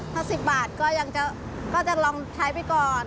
ถ้า๑๐บาทก็จะลองใช้ไปก่อน